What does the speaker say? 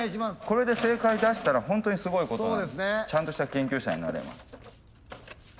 これで正解出したらホントにすごいことなんでちゃんとした研究者になれます。